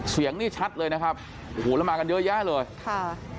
เสียงนี่ชัดเลยนะครับโอ้โหแล้วมากันเยอะแยะเลยค่ะ